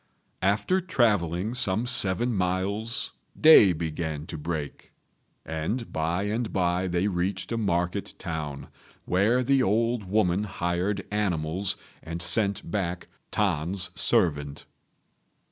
After travelling some seven miles day began to break; and by and by they reached a market town, where the old woman hired animals and sent back T'an's servant.